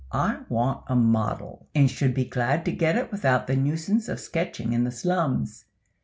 I want a model, and should be glad to get it without the nuisance of sketching in the slums.